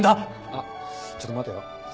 あっちょっと待てよ。